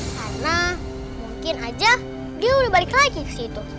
karena mungkin aja dia udah balik lagi ke situ